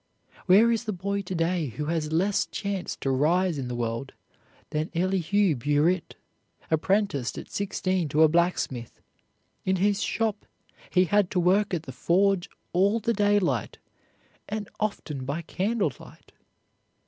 Where is the boy to day who has less chance to rise in the world than Elihu Burritt, apprenticed at sixteen to a blacksmith, in whose shop he had to work at the forge all the daylight, and often by candle light?